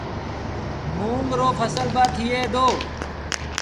منڱ رو ڦسل با ٿئي دو